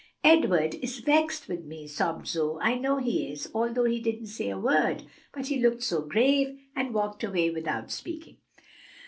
"Edward is vexed with me," sobbed Zoe. "I know he is, though he didn't say a word; but he looked so grave, and walked away without speaking."